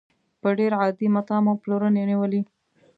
په ډېر عادي متاع مو پلورنې نېولې.